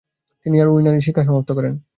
তিনি তার ইউনানি শিক্ষা সমাপ্ত করেন।